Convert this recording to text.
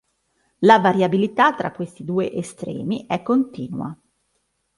La variabilità tra questi due estremi è continua.